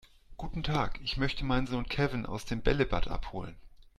Guten Tag, ich möchte meinen Sohn Kevin aus dem Bällebad abholen.